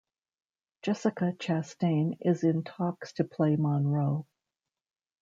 Jessica Chastain is in talks to play Monroe.